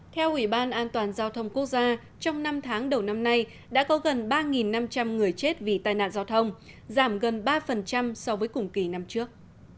theo ủy ban an toàn giao thông quốc gia trong năm tháng đầu năm nay đã có gần ba năm trăm linh người chết vì tai nạn giao thông giảm gần ba so với cùng kỳ năm trước